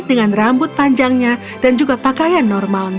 dengan rambut panjangnya dan juga pakaian normalnya